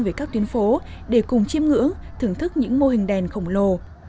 về các tuyến phố để cùng chiêm ngưỡng thưởng thức những mô hình đèn khổng lồ